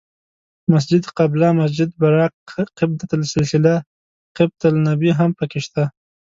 مسجد قبله، مسجد براق، قبة السلسله، قبة النبی هم په کې شته.